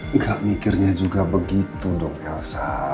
nggak mikirnya juga begitu dong elsa